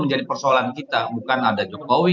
menjadi persoalan kita bukan ada jokowi